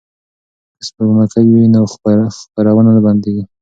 که سپوږمکۍ وي نو خپرونه نه بندیږي.